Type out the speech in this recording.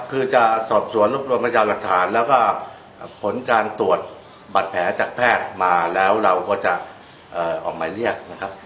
คือจะสอบสวนรวบรวมพยานหลักฐานแล้วก็ผลการตรวจบัตรแผลจากแพทย์มาแล้วเราก็จะออกหมายเรียกนะครับ